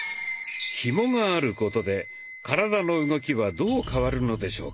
ひもがあることで体の動きはどう変わるのでしょうか。